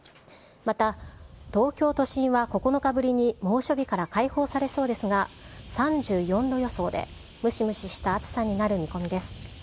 また東京都心は９日ぶりに猛暑日から解放されそうですが、３４度予想で、ムシムシした暑さになる見込みです。